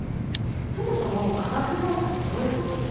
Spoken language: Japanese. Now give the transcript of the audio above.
そもそも科学捜査ってどういうことをするんですか？